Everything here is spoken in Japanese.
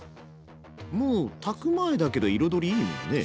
もう炊く前だけど彩りいいもんね？